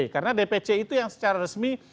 karena dpc itu yang secara resmi